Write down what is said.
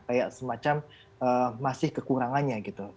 kayak semacam masih kekurangannya gitu